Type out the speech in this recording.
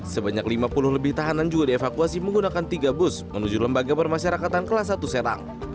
sebanyak lima puluh lebih tahanan juga dievakuasi menggunakan tiga bus menuju lembaga permasyarakatan kelas satu serang